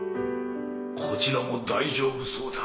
こちらも大丈夫そうだ。